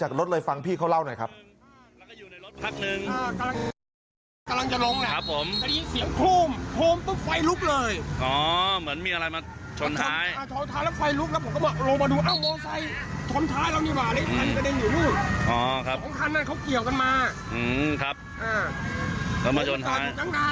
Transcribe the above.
อ๋อเหมือนมีอะไรมาชนท้าย